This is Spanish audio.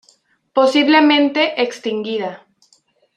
Posiblemente extinguida.